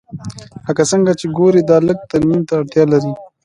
لکه څنګه چې ګورې دا لږ ترمیم ته اړتیا لري